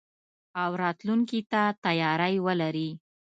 او راتلونکي ته تياری ولري.